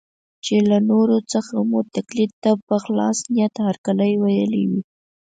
چې له نورو څخه مو تقلید ته په خلاص نیت هرکلی ویلی وي.